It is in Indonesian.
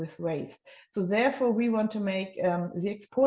itu tidak membuat arti untuk di ekspor